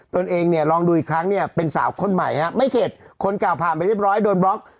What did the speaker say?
ตัวเองลองดูอีกครั้งเป็นสาวคนใหม่ไม่เข็ดคนกล่าวผ่านไปเรียบร้อยโดนบล็อก